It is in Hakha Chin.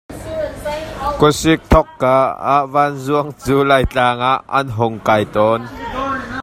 Khua sik thawk ka ah vanzuang cu Laitlang ah an hung kai tawn.